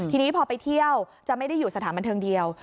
ทีนี้พอไปเที่ยวจะไม่ได้อยู่สถานบันเทิงเดียว